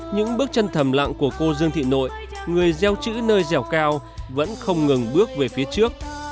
những bước chân thầm lặng của cô dương thị nội người gieo chữ nơi dẻo cao vẫn không ngừng bước về phía trước